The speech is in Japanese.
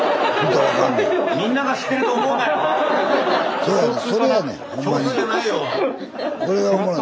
そうやねん！